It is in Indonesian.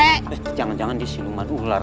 eh jangan jangan di siluman ular